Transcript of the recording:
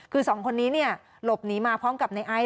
คือสองคนนี้เนี่ยหลบหนีมาพร้อมกับในไอซ์